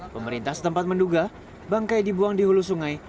pemerintah setempat menduga bangkai dibuang di hulu sungai